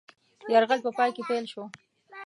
یرغل په پای کې پیل شو.